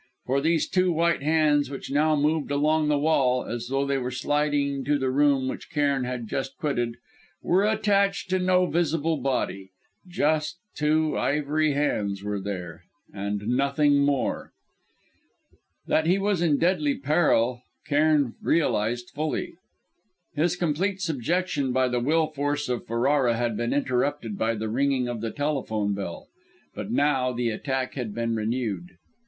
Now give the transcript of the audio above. For these two white hands which now moved along the wall, as though they were sidling to the room which Cairn had just quitted, were attached to no visible body; just two ivory hands were there ... and nothing more! That he was in deadly peril, Cairn realised fully. His complete subjection by the will force of Ferrara had been interrupted by the ringing of the telephone bell But now, the attack had been renewed!